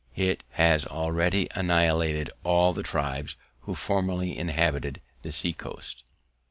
It has already annihilated all the tribes who formerly inhabited the sea coast.